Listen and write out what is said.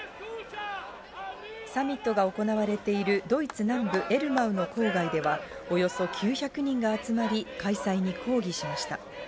サミットが行われているドイツ南部エルマウの郊外ではおよそ９００人が集まり、開催に抗議しました。